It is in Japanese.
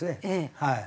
はい。